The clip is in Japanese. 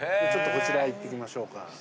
ちょっとこちらへ行きましょうか。